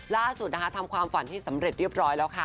ล่าสุดนะคะทำความฝันให้สำเร็จเรียบร้อยแล้วค่ะ